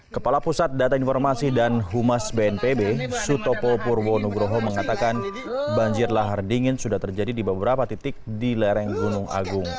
kepala pusat data informasi dan humas bnpb sutopo purwonugroho mengatakan banjir lahar dingin sudah terjadi di beberapa titik di lereng gunung agung